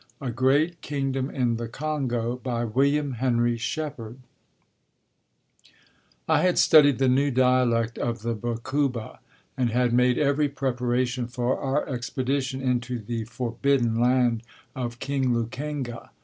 A GREAT KINGDOM IN THE CONGO WILLIAM HENRY SHEPPARD I had studied the new dialect of the Bakuba and had made every preparation for our expedition into the "Forbidden Land" of King Lukenga.